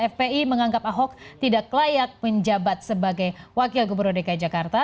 fpi menganggap ahok tidak layak menjabat sebagai wakil gubernur dki jakarta